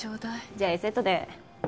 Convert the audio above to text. じゃあＡセットで。